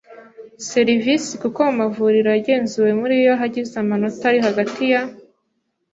serivisi kuko mu mavuriro yagenzuwe muri yo yagize amanota ari hagati ya